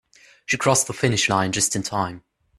She crossed the finish line just in time.